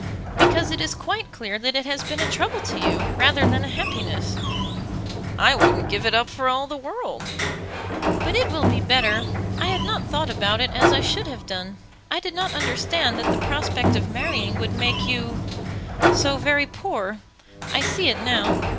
"Because it is quite clear that it has been a trouble to you rather than a happiness." "I wouldn't give it up for all the world." "But it will be better. I had not thought about it as I should have done. I did not understand that the prospect of marrying would make you so very poor. I see it now.